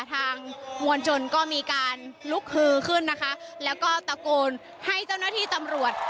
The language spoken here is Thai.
ทางมวลชนก็มีการลุกฮือขึ้นนะคะแล้วก็ตะโกนให้เจ้าหน้าที่ตำรวจ